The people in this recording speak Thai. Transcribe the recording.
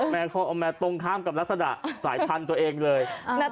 มันออกมาตรงข้ามกับลักษณะสายชันตัวเองเลย